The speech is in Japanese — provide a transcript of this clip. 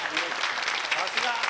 さすが。